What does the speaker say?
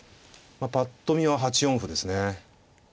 ぱっと見は８四歩ですね。